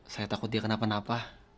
saya takut dia kenapa napa